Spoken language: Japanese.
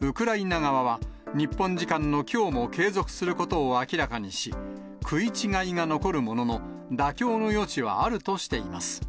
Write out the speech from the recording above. ウクライナ側は、日本時間のきょうも継続することを明らかにし、食い違いが残るものの、妥協の余地はあるとしています。